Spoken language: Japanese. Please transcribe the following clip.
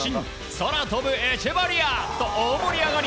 空飛ぶエチェバリアと大盛り上がり。